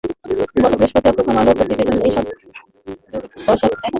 গতকাল বৃহস্পতিবার প্রথম আলোর প্রতিবেদক এসব চরে গিয়ে বন্যার্তদের দুর্দশা দেখেন।